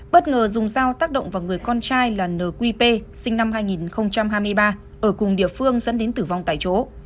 bất ngờ dùng dao tác động vào người con trai là nqp sinh năm hai nghìn hai mươi ba ở cùng địa phương dẫn đến tử vong tại chỗ